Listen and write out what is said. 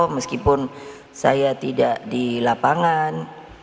meskipun saya tidak di lapangan